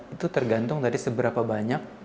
itu tergantung dari seberapa banyak